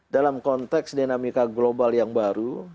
dalam konteks dinamika global yang baru